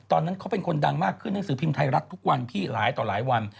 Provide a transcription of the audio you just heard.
ตอนนั้นเขาเป็นคนดังมากขึ้นหนังสือพิมพ์ไทยรัฐทุกวันพี่หลายต่อหลายวัน